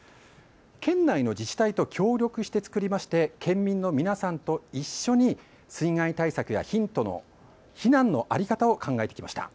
県内の自治体と協力して作りまして県民の皆さまと一緒に水害対策や避難の在り方を考えてきました。